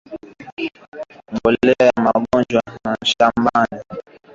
mbolea ya majani ya viazi lishe hutumika pia shambani